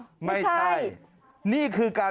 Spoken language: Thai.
สวัสดีครับปลางสวัสดีครับปลาง